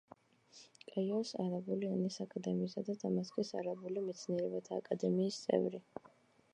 კაიროს არაბული ენის აკადემიისა და დამასკის არაბული მეცნიერებათა აკადემიის წევრი.